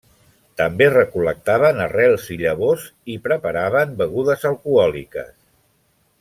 També recol·lectaven arrels i llavors i preparaven begudes alcohòliques.